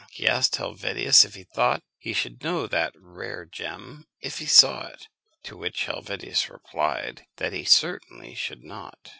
He asked Helvetius if he thought he should know that rare gem if he saw it. To which Helvetius replied, that he certainly should not.